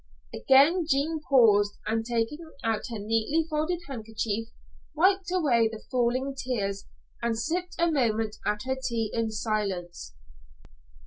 Again Jean paused, and taking out her neatly folded handkerchief wiped away the falling tears, and sipped a moment at her tea in silence.